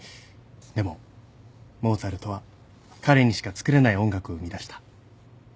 でもモーツァルトは彼にしかつくれない音楽を生み出した。